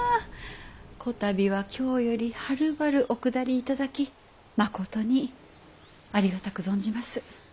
こたびは京よりはるばるお下り頂きまことにありがたく存じます。